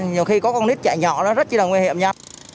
nhiều khi có con nít chạy nhỏ đó rất là nguy hiểm nha